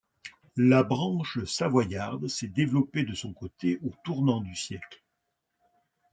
La branche savoyarde s'est développée de son côté au tournant du siècle.